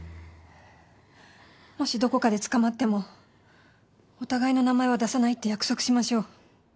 もしどこかで捕まってもお互いの名前は出さないって約束しましょう。